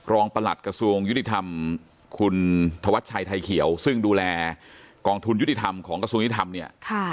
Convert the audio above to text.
ประหลัดกระทรวงยุติธรรมคุณธวัชชัยไทยเขียวซึ่งดูแลกองทุนยุติธรรมของกระทรวงยุทธรรมเนี่ย